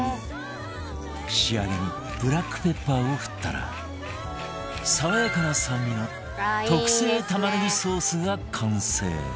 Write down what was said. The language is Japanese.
仕上げにブラックペッパーを振ったら爽やかな酸味の特製玉ねぎソースが完成